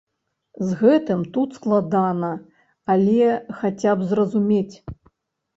З гэтым тут складана, але хаця б зразумець.